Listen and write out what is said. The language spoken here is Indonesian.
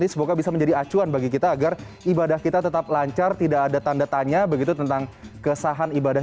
semoga bisa menjadi acuan bagi kita agar ibadah kita tetap lancar tidak ada tanda tanya begitu tentang kesahan ibadah